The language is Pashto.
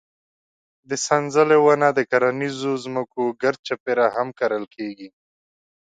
د سنځلې ونه د کرنیزو ځمکو ګرد چاپېره هم کرل کېږي.